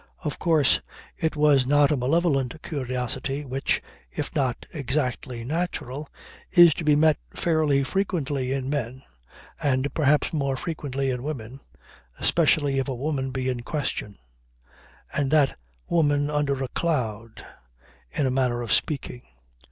Of course it was not a malevolent curiosity which, if not exactly natural, is to be met fairly frequently in men and perhaps more frequently in women especially if a woman be in question; and that woman under a cloud, in a manner of speaking.